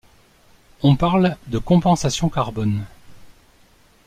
On parle de compensation carbone.